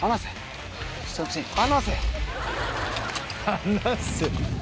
「離せ」